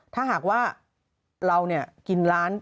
ถ้าหากว่าเรากินร้าน